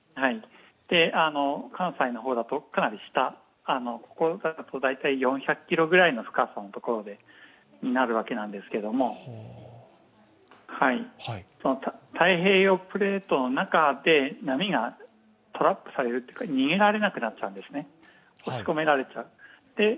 関西の方だとかなり下、大体４００ｋｍくらいの深さになるんですけれども、太平洋プレートの中で波がトラップされる、逃げられなくなっちゃうんですね、閉じ込められちゃう。